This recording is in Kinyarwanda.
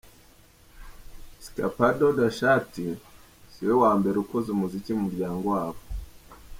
Skpado Di Shatta siwe wa mbere ukoze umuziki mu muryango wabo.